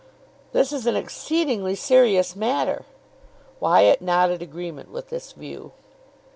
"This is an exceedingly serious matter." Wyatt nodded agreement with this view.